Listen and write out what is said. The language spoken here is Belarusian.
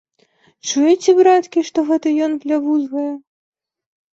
Чуеце, браткі, што гэта ён плявузгае?